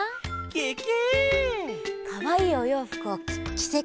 ケケ。